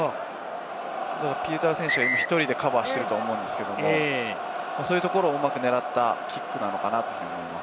ピウタウ選手が今１人でカバーしてると思うんですけれども、そういうところをうまく狙ったキックなのかなと思います。